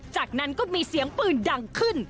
จากนั้นก็มีเสียงปืนดังขึ้น